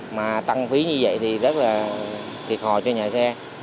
mà tăng phí như vậy thì rất là thiệt thòi cho nhà xe